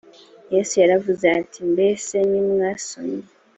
yesu yaravuze ati ‘’ mbese ntimwasomye ?